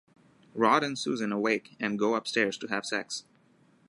Rod and Susan awake and go upstairs to have sex.